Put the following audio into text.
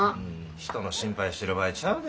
人の心配してる場合ちゃうで。